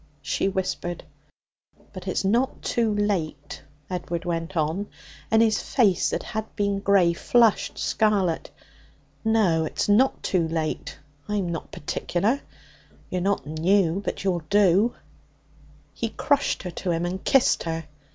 she whispered. 'But it's not too late,' Edward went on, and his face, that had been grey, flushed scarlet. 'No, it's not too late. I'm not particular. You're not new, but you'll do.' He crushed her to him and kissed her.